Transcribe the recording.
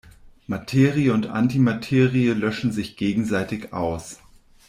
Materie und Antimaterie löschen sich gegenseitig aus.